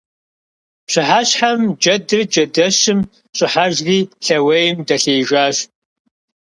Пщыхьэщхьэм джэдыр джэдэщым щӀыхьэжри лъэуейм дэлъеижащ.